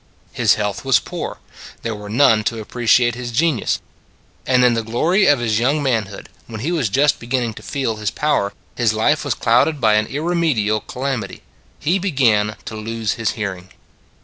His health was poor: there were none to appreciate his genius: and in the glory of his young manhood, when he was just beginning to feel his power, his life was clouded by an irremediable calamity. He began to lose his hearing.